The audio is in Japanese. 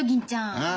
ああ。